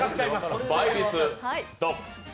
倍率ドン！